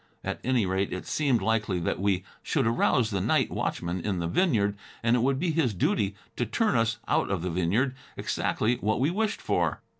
At any rate, it seemed likely that we should arouse the night watchman in the vineyard and it would be his duty to turn us out of the vineyard, exactly what we wished for.